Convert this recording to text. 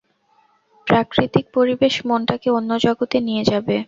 প্রাকৃতিক পরিবেশ মনটাকে অন্য জগতে নিয়ে যাবে।